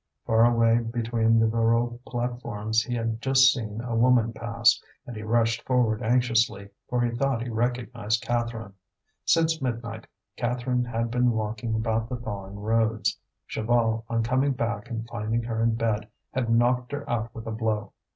Far away between the Voreux platforms he had just seen a woman pass, and he rushed forward anxiously, for he thought he recognized Catherine. Since midnight, Catherine had been walking about the thawing roads. Chaval, on coming back and finding her in bed, had knocked her out with a blow.